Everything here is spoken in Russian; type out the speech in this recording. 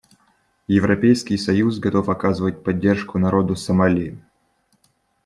Европейский союз готов оказывать поддержку народу Сомали.